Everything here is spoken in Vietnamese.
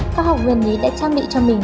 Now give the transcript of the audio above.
pháp học nguyên lý đã trang bị cho mình